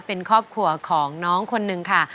เป็นครอบครัวของน้องคนหนึ่งค่ะ